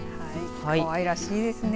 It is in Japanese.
かわいらしいですね。